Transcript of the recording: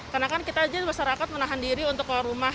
karena kan kita jadi masyarakat menahan diri untuk keluar rumah